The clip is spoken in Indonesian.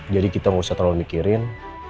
jadi kita nggak usah terlalu mikirin